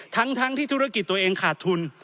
ทั้งที่ธุรกิจตัวเองขาดทุน